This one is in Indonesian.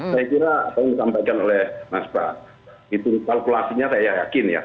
saya kira apa yang disampaikan oleh mas pras itu kalkulasinya saya yakin ya